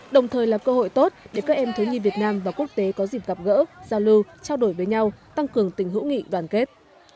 đồng thời là cơ hội tốt để các em thiếu nhi việt nam và quốc tế có dịp gặp gỡ giao lưu trao đổi với nhau tăng cường tình hữu nghị đoàn kết